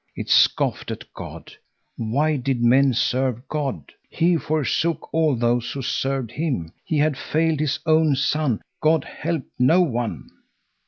It scoffed at God. Why did men serve God? He forsook all those who served him. He had failed his own son. God helped no one.